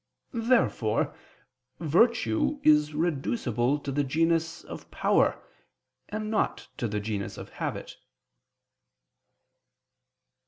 Therefore virtue is reducible to the genus of power, and not to the genus of habit.